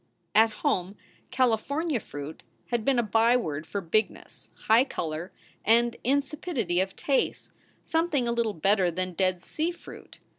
At home " California fruit" had been a byword for big ness, high color, and insipidity of taste, something a little better than Dead Sea fruit.